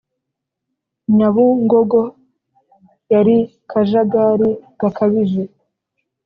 Nyabungogo yari kajagari gakabije